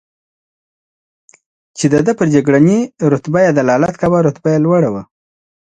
چې د ده پر جګړنۍ رتبه یې دلالت کاوه، رتبه یې لوړه وه.